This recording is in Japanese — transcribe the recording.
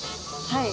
はい。